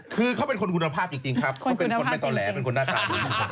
คือเขาเป็นคนคุณภาพจริงครับเขาเป็นคนไม่ต่อแหลเป็นคนหน้าตาดี